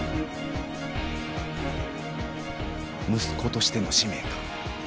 息子としての使命か？